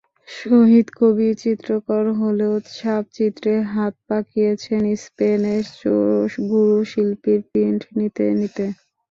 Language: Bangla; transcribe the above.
শহিদ কবির চিত্রকর হলেও ছাপচিত্রে হাত পাকিয়েছেন স্পেনে গুরুশিল্পীর প্রিন্ট নিতে নিতে।